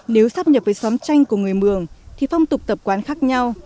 nếu sắp nhập với xóm tranh của người mường thì phong tục tập quán khác nhau